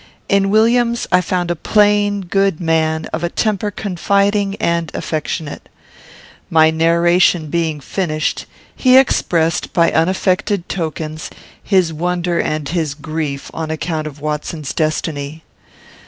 In Williams I found a plain, good man, of a temper confiding and affectionate. My narration being finished, he expressed, by unaffected tokens, his wonder and his grief on account of Watson's destiny.